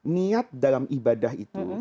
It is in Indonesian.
niat dalam ibadah itu